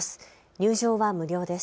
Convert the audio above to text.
入場は無料です。